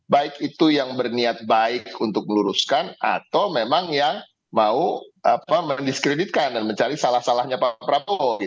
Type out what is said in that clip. baik itu yang berniat baik untuk meluruskan atau memang yang mau mendiskreditkan dan mencari salah salahnya pak prabowo